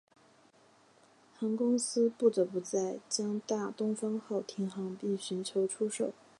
船公司不得不在将大东方号停航并寻求出售。